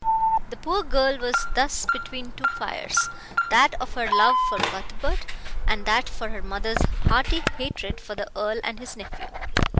The poor girl was thus between two fires that of her love for Cuthbert, and that of her mother's hearty hatred for the Earl and his nephew.